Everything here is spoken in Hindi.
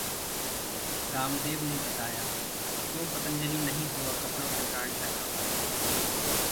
रामदेव ने बताया- क्यों पतंजलि नहीं होगा कपड़ों के ब्रांड का नाम?